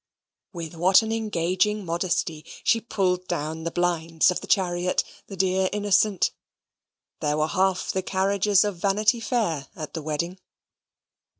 With what an engaging modesty she pulled down the blinds of the chariot the dear innocent! There were half the carriages of Vanity Fair at the wedding.